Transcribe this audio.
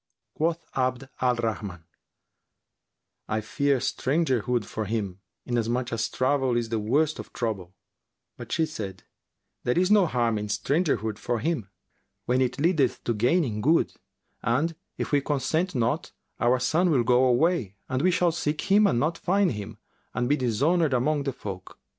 Quoth Abd al Rahman, "I fear strangerhood for him, inasmuch as travel is the worst of trouble;" but she said, "There is no harm in strangerhood for him when it leadeth to gaining good; and, if we consent not, our son will go away and we shall seek him and not find him and be dishonoured among the folk."